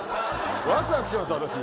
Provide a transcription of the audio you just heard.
ワクワクします